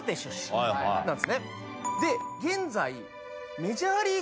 で現在。